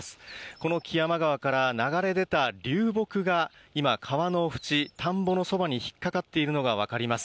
この木山川から流れ出た流木が、今、川の縁、田んぼのそばに引っ掛かっているのが分かります。